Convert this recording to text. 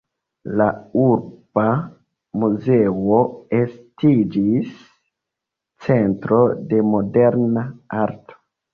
La Urba muzeo estiĝis centro de moderna arto.